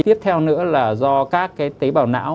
tiếp theo nữa là do các tế bào não